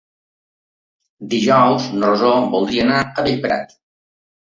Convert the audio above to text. Dijous na Rosó voldria anar a Bellprat.